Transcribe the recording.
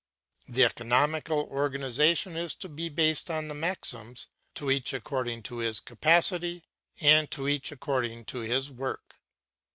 The economical organization is to be based on the maxims, "To each one according to his capacity," and "To each capacity according to its work."